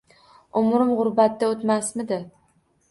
Umrim g`urbatda o`tmasmidi